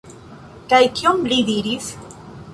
Kaj kion li diris?